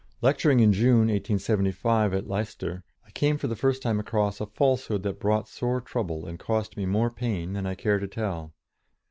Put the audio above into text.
Lecturing in June, 1875, at Leicester, I came for the first time across a falsehood that brought sore trouble and cost me more pain than I care to tell.